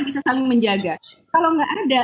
bisa saling menjaga kalau nggak ada